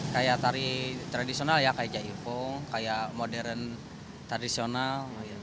kayak tari tradisional ya kayak jaipong kayak modern tradisional